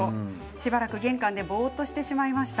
しばらく玄関でぼーっとしてしまいました。